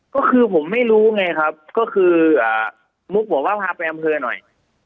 ก็คือผมไม่รู้ไงครับก็คือมุกบอกว่าพาไปอำเภอหน่อย